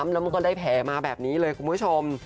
แล้วมันก็ได้แผลมาแบบนี้เลยคุณผู้ชม